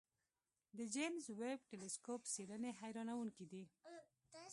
د جیمز ویب ټېلسکوپ څېړنې حیرانوونکې دي.